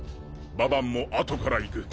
ババンもあとから行く。